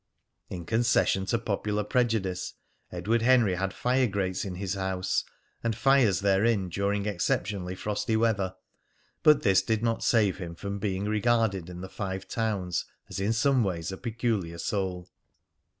(In concession to popular prejudice, Edward Henry had fire grates in his house, and fires therein during exceptionally frosty weather; but this did not save him from being regarded in the Five Towns as in some ways a peculiar soul.)